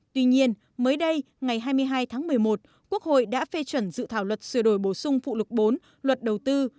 tuy nhiên mới đây ngày hai mươi hai tháng một mươi một quốc hội đã phê chuẩn dự thảo luật sửa đổi bổ sung phụ lục bốn luật đầu tư